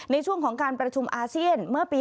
ในช่วงของการประชุมอาเซียนเมื่อปี๒๕